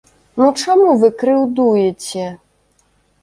Ну чаму вы крыўдуеце?